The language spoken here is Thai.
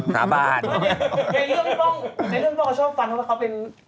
ขอบคุณค่ะ